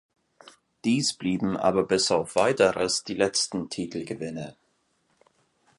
Dies blieben aber bis auf Weiteres die letzten Titelgewinne.